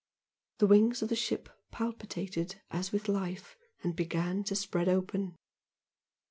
The wings of the ship palpitated as with life and began to spread open....